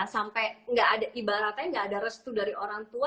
sampai ibaratnya gak ada restu dari orang tua